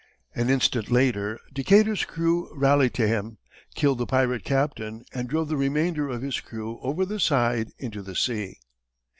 An instant later, Decatur's crew rallied to him, killed the pirate captain and drove the remainder of his crew over the side into the sea.